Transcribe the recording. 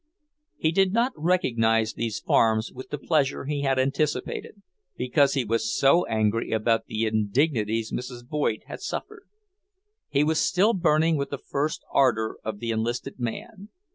He did not recognize these farms with the pleasure he had anticipated, because he was so angry about the indignities Mrs. Voigt had suffered. He was still burning with the first ardour of the enlisted man.